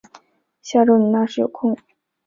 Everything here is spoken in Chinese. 下周你那时有空